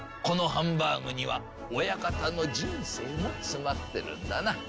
このハンバーグには親方の人生も詰まってるんだな。